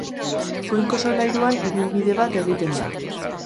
Goiko solairuan ibilbide bat egiten da.